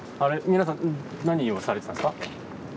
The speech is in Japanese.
皆さん何をされてたんですか？